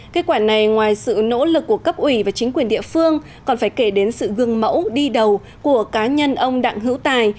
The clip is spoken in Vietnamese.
kết quả này ngoài sự nỗ lực của cấp ủy và chính quyền địa phương còn phải kể đến sự gương mẫu đi đầu của cá nhân ông đặng hữu tài